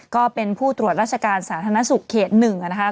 ก็เป็นผู้ตรวจราชการสาธารณสุขเขต๑นะคะ